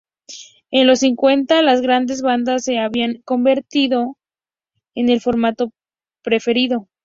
En los cincuenta, las grandes bandas se habían convertido en el formato preferido.